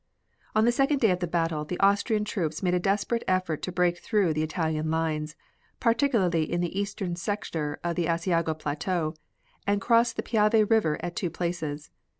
On the second day of the battle the Austrian troops made a desperate effort to break through the Italian lines, particularly in the eastern sector of the Asiago Plateau, and crossed the Piave River at two places.